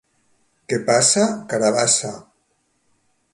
Què passa? / —Carabassa!